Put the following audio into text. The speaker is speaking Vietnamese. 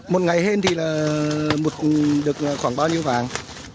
một ngày hên thì được khoảng bao nhiêu vàng